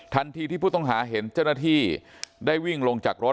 ที่ผู้ต้องหาเห็นเจ้าหน้าที่ได้วิ่งลงจากรถ